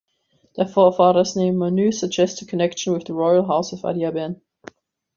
Their forefather's name "Manue" suggests a connection with royal house of Adiabene.